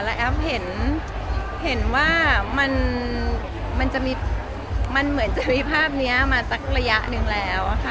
แล้วแอฟเห็นว่ามันจะมีมันเหมือนจะมีภาพนี้มาสักระยะหนึ่งแล้วค่ะ